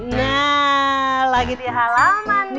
nah lagi di halaman nih